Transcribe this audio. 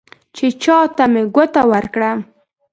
چې چا ته مې ګوته ورکړه،